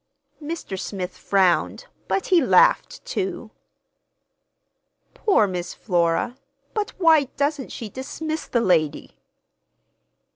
'" Mr. Smith frowned, but he laughed, too. "Poor Miss Flora! But why doesn't she dismiss the lady?"